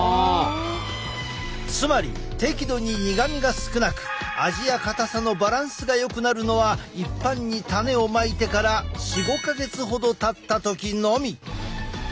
つまり適度に苦みが少なく味やかたさのバランスがよくなるのは一般に種をまいてから４５か月ほどたった時のみ。